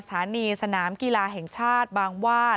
สถานีสนามกีฬาแห่งชาติบางวาด